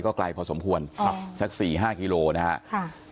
ก็ไกลพอสมควรสัก๔๕กิโลเมตร